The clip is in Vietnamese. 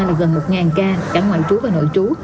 là gần một ca cả ngoại trú và nội trú